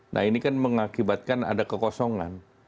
nah ini kan mengakibatkan ada kekosongan